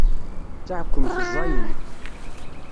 D taɛekkemt ẓẓayen.